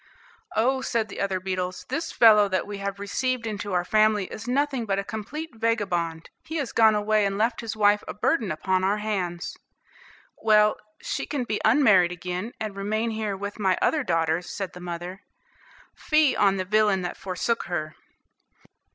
"Oh," said the other beetles, "this fellow that we have received into our family is nothing but a complete vagabond. He has gone away and left his wife a burden upon our hands." "Well, she can be unmarried again, and remain here with my other daughters," said the mother. "Fie on the villain that forsook her!"